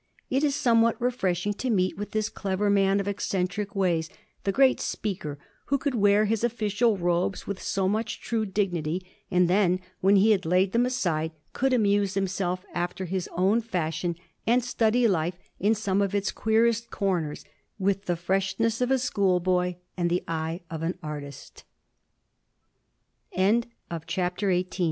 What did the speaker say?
It is somewhat refii^shing to meet with this clever man of eccentric ways, the great * Speaker,' who could wear his official robes with so much true dignity, and then, when he had laid them aside, could amuse himself after his own fashion, and study life in some of its queerest comers with the fireshness